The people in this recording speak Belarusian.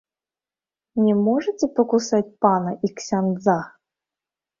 Не можаце пакусаць пана і ксяндза!